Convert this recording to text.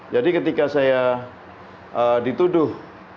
jadi ketika saya dituduh